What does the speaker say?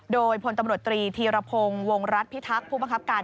โดยพลตำรวจตรีธีรพงศ์วงรัฐพิทักษ์ผู้บังคับการ